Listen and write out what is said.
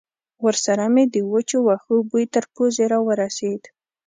ورسره مې د وچو وښو بوی تر پوزې را ورسېد.